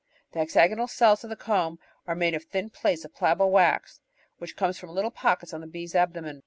The hexagonal cells of the comb are made of thin plates of pliable wax, which comes from little pockets on the bee's abdomen.